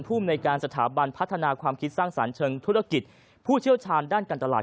ภูมิในการสถาบันพัฒนาความคิดสร้างสรรค์เชิงธุรกิจผู้เชี่ยวชาญด้านการตลาด